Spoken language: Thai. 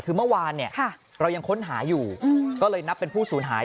คือเมื่อวานเนี่ยเรายังค้นหาอยู่ก็เลยนับเป็นผู้สูญหาย